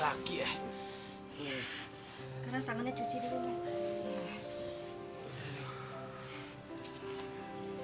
sekarang tangannya cuci dulu mas